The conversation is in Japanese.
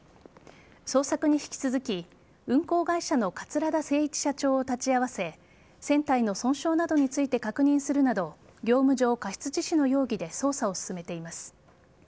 捜索に引き続き運航会社の桂田精一社長を立ち会わせ船体の損傷などについて確認するなど業務上過失致死の容疑で捜査を進めています。